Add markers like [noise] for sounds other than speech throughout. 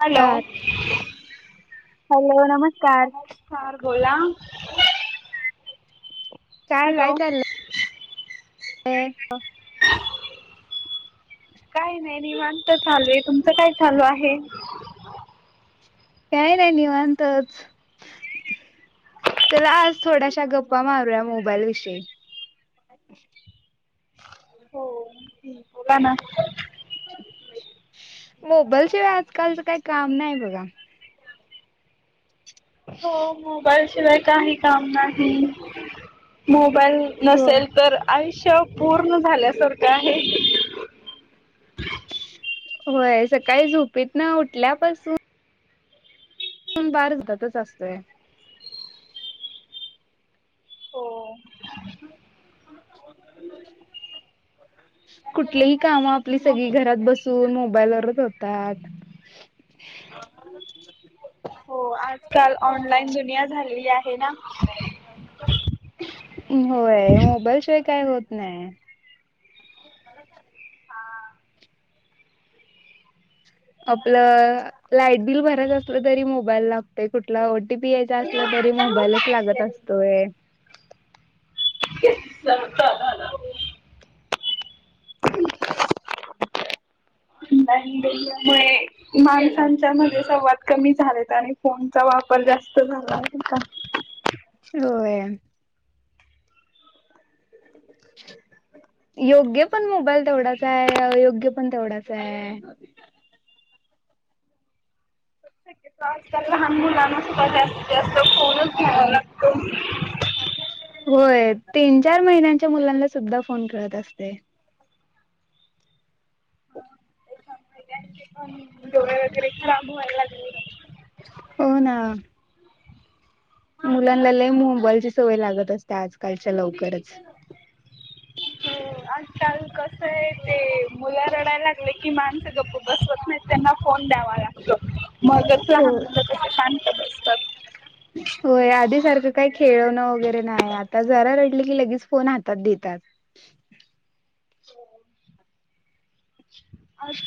Hello hello, नमस्कार. फार बोला. [unintelligible] काय, काय हॅलो चाललंय? [unintelligible] काही नाही निवांत चालू आहे. तुमचं काय चालू आहे? काय नाही निवांतच. चला आज थोड्याशा, गप्पा मारूया मोबाईल विषयी. [unintelligible] हो बोला ना. मोबाईल शिवाय आजकालचं, काही काम नाही बघा. [unintelligible] हो, मोबाईल शिवाय काही काम नाही. मोबाईल होय. नसेल तर आयुष्य, अपूर्ण झाल्यासारखं आहे. होय, सकाळी झोपेतनं उठल्यापासून [unintelligible] हातातच असतोय. हो [unintelligible] कुठलीही काम आपली सगळी, घरात बसून मोबाईलवरच होतात. हो आजकाल ऑनलाईन दुनिया झालेली आहे ना? होय, मोबाईल शिवाय काय होत नाय. आपलं लाईट बिल भरायचं असलं तरी मोबाईल लागतोय, कुठला ओटीपी यायचा असलं तरी मोबाईलच लागतं अस तो एक [unintelligible] [unintelligible] मुळे माणसांच्या मध्ये संवाद कमी झालेत आणि फोनचा वापर जास्त झालाय का? होय. [unintelligible] योग्य पण मोबाईल तेवढाच हाय, अयोग्य पण तेवढाच हाय. शक्यतो आजकाल लहान मुलांना सुद्धा जास्तीत जास्त फोनच घ्यावा लाग होय, तीन, चार महिन्यांच्या मुलांना सुद्धा फोन कळत असतंय. त्याच्यामुळे त्यांचे पण डोळे वगैरे खराब व्हायला लागले. हो ना. मुलांना लई मोबाईलची सवय लागत असतीया आज कालच्या लवकरच. आजकाल कसंय ते मुलं रडाय लागले की माणसं गप्प बसवत नाहीत त्यांना फोन द्यावा. मगच हो लहान मुलं कशी शांत बसतात. हाय आधी सारखं काही खेळणं वगैरे नाही, आता जरा रडली की लगेच फोन हातात देतात.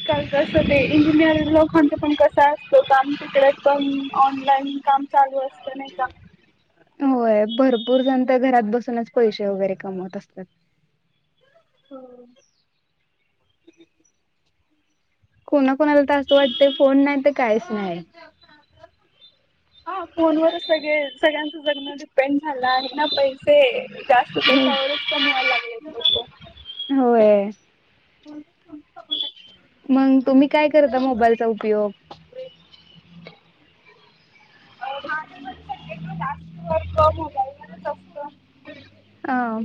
का कसं ते इंजिनियर लोकांचं पण कसं असतं काम तिकडे पण ऑनलाईन काम चालू असतं नाही का? [unintelligible] होय भरपूर जण तर घरात बसूनच पैसे वगैरे कमवत असतात. कुणा कोणाला तर असं वाटतय फोन नाही तर कायच नाही. फोनवर सगळे सगळ्यांचं जगण डिपेंड झाला आहे ना पैसे, जास्त हो त्येच्यावरच कमवायला लागलेत लोकं होय मग तुम्ही काय करता मोबाईलचा उपयोग? माझं मत शक्यतो [unintelligible] [unintelligible] असतं. ह.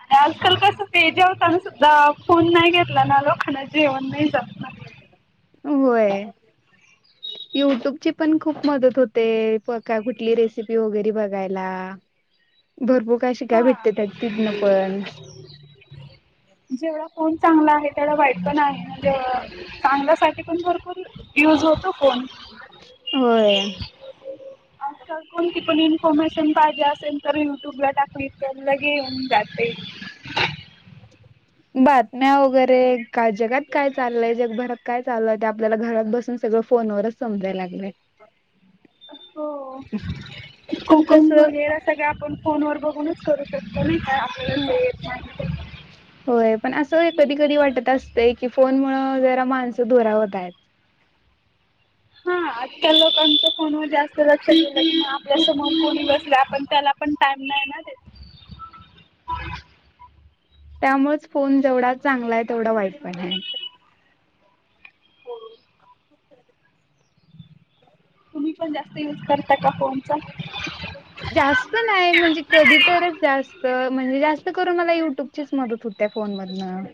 आणि आजकाल कसं ते जेवताना सुद्धा फोन नाही घेतला ना लोकांना जेवण नाही जात ना. होय. युट्यूबची पण खूप मदत होते, प कुठली रेसिपी वगैरे बघायला. भरपूर काशी काय हा भेटते त्यात तिथन पण. जेवढा फोन चांगला आहे, तेवढा वाईट पण आहे मग चांगल्यासाठी पण भरपूर युज होतो फोन होय. आजकाल कोणती पण इन्फॉर्मेशन पाहिजे असेल तर युट्यूबला टाकली त्या लगे घेऊन जाते. बातम्या वगैरे का जगात काय चाललंय जगभरात काय चाललंय ते घरात बसून सगळं फोन वरच समजायला लागलंय. हो पण कोकण कसं वगैरे सगळं, आपण फोन वर बघूनच करु शकतो नयी का आपल्याला जे येत नाही ते होय, पण असं कधी कधी वाटत असतंय की फोनमुळ जरा माणसं धुरावत आहेत. हा आजकाल लोकांच्या फोनवर जास्त लक्ष केलं [unintelligible] आपल्या समोर कोणी बसलय आपण त्याला पण टाईम नाही ना देत त्यामुळच फोन जेवढा चांगला हाय तेवढा वाईट पण हाय होय तुम्ही पण जास्त युज करता का फोनचा? जास्त नाही, म्हणजे कधी तरच जास्त. म्हणजे जास्त करून मला युट्यूब चीच मदत होते फोन मधन.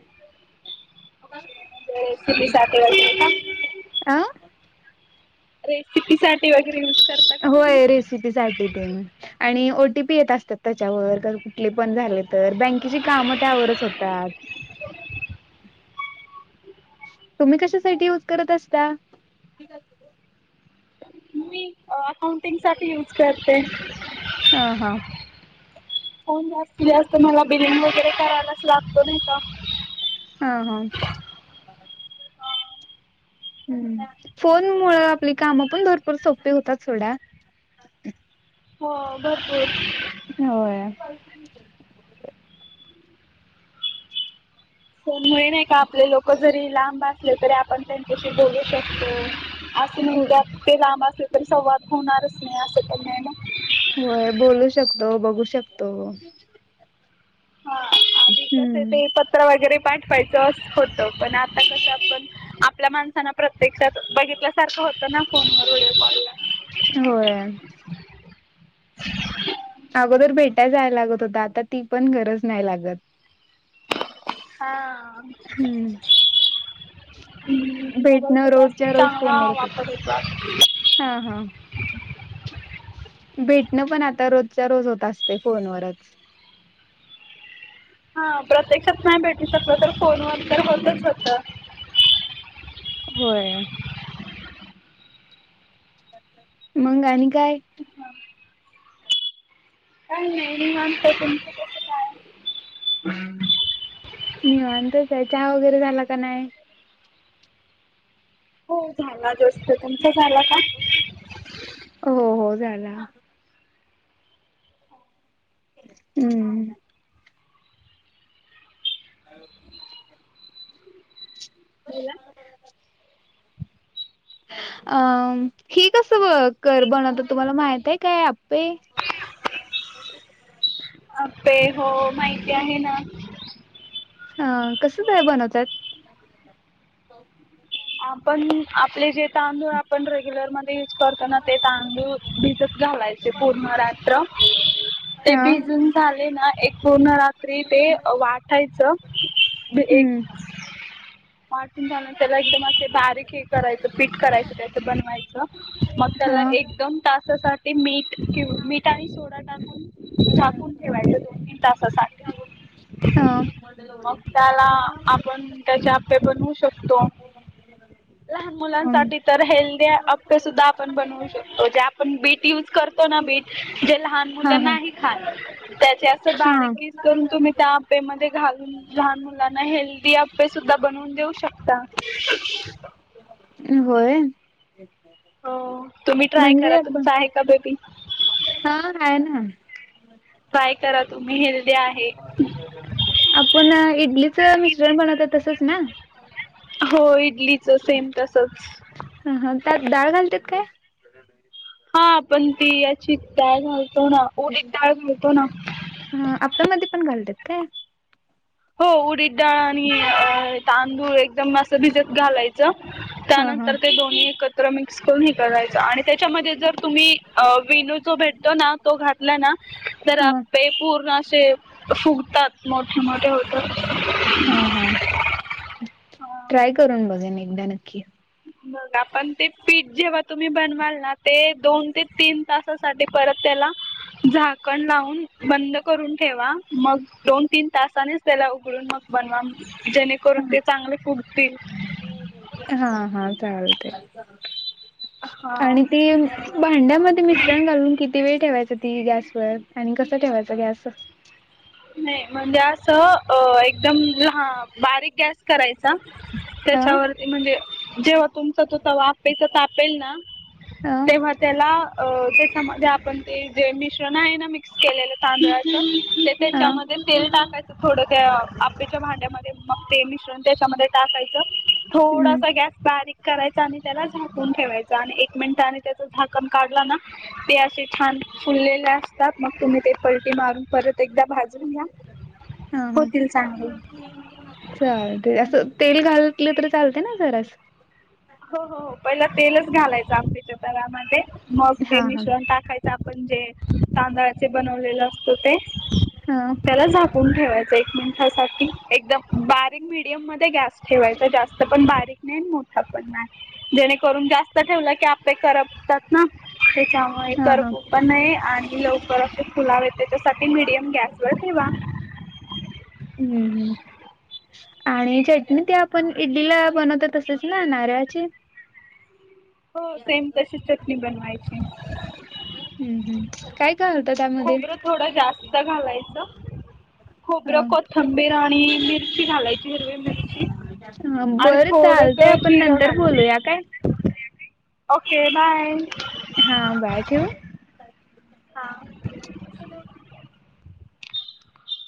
रेसिपीसाठी वगैरे का अं रेसिपी साठ ठी वगैरे. यूज करता का तुम्ही होय रेसिपी साठी देन, आणि ओ टी पी येत असतात. त्याच्यावर [unintelligible] कुठले पण झाले तर, बँकेची कामं त्यावरच होतात. तुम्ही कशासाठी युज करत असता? मी अ अकाउंटिंग साठी युज करते. हा हा फोन जास्तीत जास्त मला बिलिंग वगैरे करायलाच लागतो, नाही का? हा ह. ह् फोन मुळ आपली कामं पण भरपूर सोपी होतात सोडा हो भरपूर. होय. फोन मुळे नाही का, आपले लोक जरी लांब असले तरी आपण त्यांन च्याशी बोलू शकतो, [unintelligible] ते लांब असेल तर संवाद होणारच नाही, असं काय नाही ना? होय बोलू शकतो, बघू शकतो. [inaudible] कस ते पत्र वगैरे पाठवायचं अस होतं, पण आता कसं आपण आपल्या माणसांना प्रत्यक्षात बघितल्यासारखं होतं ना फोन वर, वडिओ कॉल ला. होय. अगोदर भेटाय जाय लागत होत, आता ती पण गरज नाही लागत. हा. हम्म हम्, मोबाईलचा भेटणं जास्त रोजच्या रोज चांगला फोनवरच होत वापर होतो. हा हा. भेटण पण आता रोजच्या रोज होत असते फोनवरच. हा प्रत्यक्षात नाही भेटू शकल, तर फोनवर तर होतच होत. होय. [inaudible] मंग आणि काय? अ नाही निवांत, तुमच काय? निवांतच आहे. चहा वगैरे झाला का नाय? हो झाला जस्ट. तुमचा झाला का? हो हो झाला. हम्म. [inaudible] बोला. अ ही कसं ब कर बनवता तुम्हाला माहितीये का आप्पे? [inaudible] आप्पे, हो माहिती आहे ना. ह कसं काय बनवतात? [inaudible] आपण, आपले जे तांदूळ आपण रेग्युलर म धे यूज करतो ना ते तांदूळ भिजत घालायचे पूर्ण रात्र ते हा. भिजून झाले ना एक पूर्ण रात्री ते वाटायचं. हम्म मार्टिनच्यानंतर [unintelligible] एकदम असे बारीक एक करायचं पीठ करायचं त्याच बनवायच मग त्याला हा. एकदम तासासाठी मीठ मीठ आणि सोडा टाकून ठेवायचे दोन तीन तासासाठी हा मग त्याला आपण त्याचे आपे बनवू शकतो लहान अम मुलांसाठी तर हेल्दी आप सुद्धा आपण बनवू शकतो जे आपण बीट युज करतो ना बीट जे लहान मु हा हा नाही ख त्या अस हा. बारीकस करून तुम्ही त्या ते म्हणजे म घालून लहान मुलांना हेल्दी आपे सुद्धा बनवून देऊ शकता होय हो तुम्ही ट्राय म्हणजे करा आपण तुमचा आहे का बेबी हा आहे ना ाकाय करा तुम्ही हे ते आहे. आपण इडलीच मिश्रण बनवत तसच ना हो इडलीचं सेम तसच ह, हा, त्यात डाळ घालतात काय हा आपण ती याची डाळ घालतो ना उडीद डाळ घालतो ना आप्पे मध्ये पण घालतात काय हो उडीद डाळ आणि अ तांदूळ एकदम मस्त भिजत घालायच हा हा त्यानंतर ते दोन्ही एकत्र मिक्स करून करायच आणि त्याच्यामध्ये जर तुम्ही अ विनू जो भेटतो ना तो घातला ना तर हा आपे पूर्ण असे फुगतात मोठे मोठे होत हा, हा, ट्राय करून बघेन एकदा नक्की आपण ते पीठ जेव्हा तुम्ही बनवाल ना ते दोन ते तीन तास त्या साठी परत त्याला झाकण लावून बंद करून ठेवा मग दोन तीन तासानेच त्याला उघडून मग बनवा जेणेकरून ते चांगले फुडतील हा, हा, चालते. हा आणि ते हाड्यामध्ये मिश्रण घालून किती वेळ ठेवायचं ती गॅस व आणि कसं ठेवायचं गॅस नाही म्हणजे असं अ एकदम ह बारीक गॅस करायचं हा त्याच्यावरती म्हणजे जेव्हा तुमचा तो अप्पेच तवा तापेल ना हा तेव्हा त्याला अ त्याच्यामध्ये आपण जे मिश्रण आहे ना मिक्स केलेलं तांदळाच ते हा त्याच्यामध्ये तेल टाकायचं थोड त्या आपेच्या भांड्यामध्ये मग ते मिसळून त्याच्यामध्ये हम्म थोडसा गॅस बारीक करायचा आणि त्याला झाकून ठेवायच आणि एक मिनिटने त्याच झाकण काढलं ना ते असे छान फुललेले असतात मग तुम्ही ते पलटी मारून परत एकदा भाजून घ्या हा हा होतील चांगले [unintelligible] चालते असं तेल घाललं तर चालते ना जरा हो, हो, हो, पहिला तेलच घालायचं अप्पेच तवा मध्ये मग ते हा हा मिश्रण टाकायचं आपण जे तांदळाचे बनवलेल असत ते हा मग त्यालाझाकण झाकून ठेवायचं एक मिनिटासाठी एकदम बारीक मीडियम मध्ये गॅस ठेवायचा जास्त पण बारीक नाही मोठा पण नाही जेणेकरून जास्त ठेवलं की आपे करपतात ना त्याच्यामु हे हा हा करपू पण नाही आणि लवकर असे फुलावेत त्याच्यासाठी मीडियम गॅसवर ठेवा. हम्म, हम्म आणि चटणी ते आपण इडलीला बनवतो तसं तेच ना नारळाची? हो सेम तशी चटणी बनवायची. हम्म हम्म काय काय होतं त्यामध्ये खोबरं थोड जास्त घालायचं खोबरं अ को खथंबीर आणि मिरची घालायची हरवे मिर बरं चालतय आपण जिरं नंतर घालायचं बोलूया काय? Okay bye. हा बाय, ठेऊ? हा [unintelligible]